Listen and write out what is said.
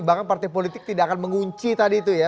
bahkan partai politik tidak akan mengunci tadi itu ya